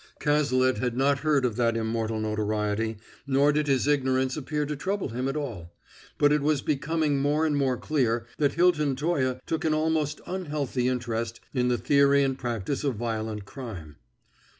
Cazalet had not heard of that immortal notoriety, nor did his ignorance appear to trouble him at all, but it was becoming more and more clear that Hilton Toye took an almost unhealthy interest in the theory and practise of violent crime.